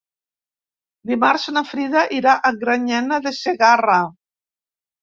Dimarts na Frida irà a Granyena de Segarra.